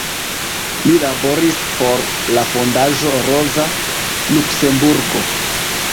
Li laboris por la Fondaĵo Roza Luksemburgo.